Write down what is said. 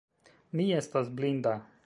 Mi estas blinda.